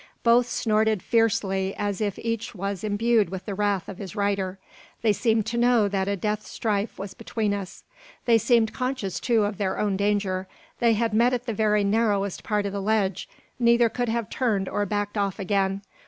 Both snorted fiercely, as if each was imbued with the wrath of his rider. They seemed to know that a death strife was between us. They seemed conscious, too, of their own danger. They had met at the very narrowest part of the ledge. Neither could have turned or backed off again.